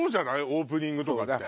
オープニングとかって。